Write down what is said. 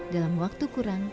dalam waktu kurang